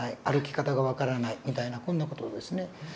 歩き方が分からないみたいなこんな事ですね。